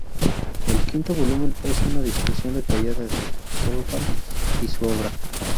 El quinto volumen es una discusión detallada de Thorvald y su obra.